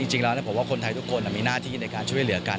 จริงแล้วผมว่าคนไทยทุกคนมีหน้าที่ในการช่วยเหลือกัน